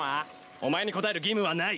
お前に答える義務はない！